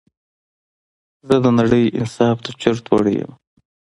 زه د نړۍ انصاف ته چورت وړى يمه